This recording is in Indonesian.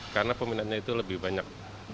karena peminatnya itu lebih banyak